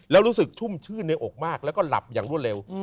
แล้วรู้สึกชุ่มชื่นในอกมากแล้วก็หลับอย่างรวดเร็ว